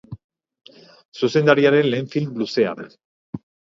Zuzendariaren lehen film-luzea da.